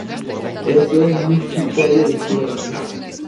Ez zuen inoiz saria eskuratu.